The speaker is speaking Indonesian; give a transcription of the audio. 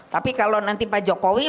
tapi kalau nanti pak jokowi